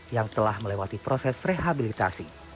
yang telah melewati proses rehabilitasi